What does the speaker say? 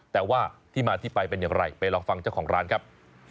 แต่ว่าที่มาที่ไปเป็นอย่างไรไปลองฟังเจ้าของร้านครับ